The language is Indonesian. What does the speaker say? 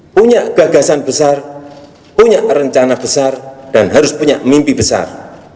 punya gagasan besar punya rencana besar dan harus punya mimpi besar